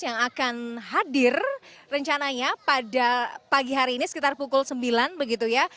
yang akan hadir rencananya pada pagi hari ini sekitar pukul sembilan begitu ya